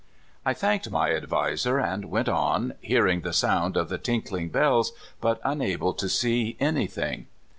I thanked my adviser, and went on, hearing the sound of the tinkling bells, but unable to see any thing.